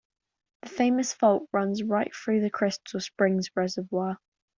The famous fault runs right through the Crystal Springs Reservoir.